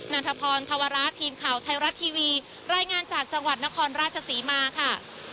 ันทพรธวระทีมข่าวไทยรัฐทีวีรายงานจากจังหวัดนครราชศรีมาค่ะ